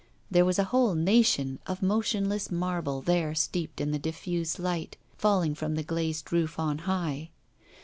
There was a whole nation of motionless marble there steeped in the diffuse light falling from the glazed roof on high.